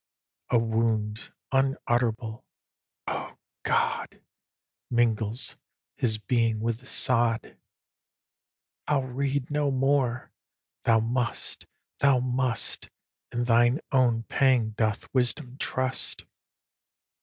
] A wound unutterable Oh God! Mingles his being with the sod. ["I'll read no more." Thou must, thou must: In thine own pang doth wisdom trust.